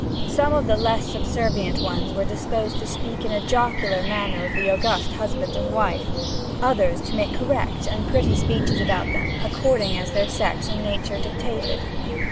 Some of the less subservient ones were disposed to speak in a jocular manner of the august husband and wife, others to make correct and pretty speeches about them, according as their sex and nature dictated.